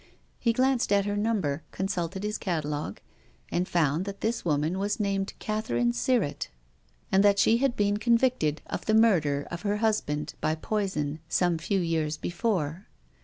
He glanced at her number, consulted his catalogue, and found that this woman was named Catherine Sirrett, and that she had been convicted of the murder of her husband by poison some few years before.